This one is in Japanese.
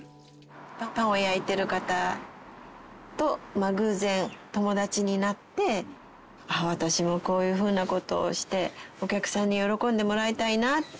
パンを焼いてる方と偶然友達になって私もこういうふうな事をしてお客さんに喜んでもらいたいなって。